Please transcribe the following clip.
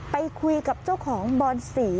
ไปคุยกับเจ้าของบอนสี